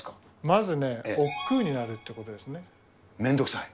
まずね、おっくうになるって面倒くさい？